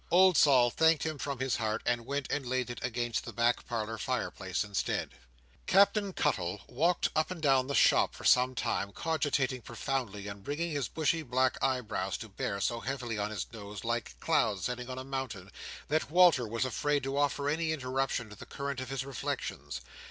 Old Sol thanked him from his heart, and went and laid it against the back parlour fire place instead. Captain Cuttle walked up and down the shop for some time, cogitating profoundly, and bringing his bushy black eyebrows to bear so heavily on his nose, like clouds setting on a mountain, that Walter was afraid to offer any interruption to the current of his reflections.